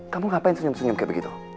kamu ngapain senyum senyum kayak begitu